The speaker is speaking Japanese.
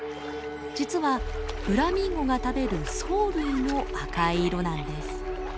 実はフラミンゴが食べる藻類の赤い色なんです。